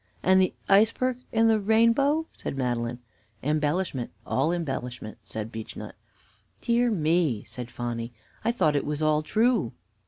"And the iceberg and the rainbow?" said Madeline. "Embellishment, all embellishment," said Beechnut. "Dear me!" said Phonny, "I thought it was all true."